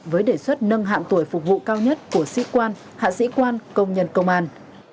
với đề xuất nâng hạng tuổi phục vụ cao nhất của sĩ quan hạ sĩ quan công nhân công an